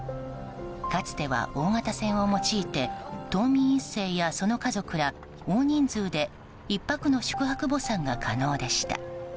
かつては大型船を用いて島民１世やその家族ら、大人数で１泊の宿泊墓参が可能でした。